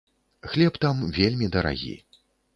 Хлеб там вельмі дарагі.